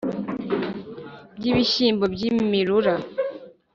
y'ibishyimbo by 'imirura